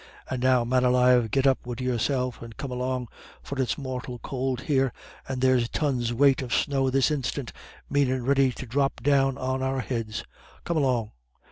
And now, man alive, git up wid yourself and come along, for it's mortal could here, and there's tons' weight of snow this instiant minyit ready to dhrop down on our heads. Come along.